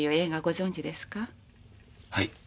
はい。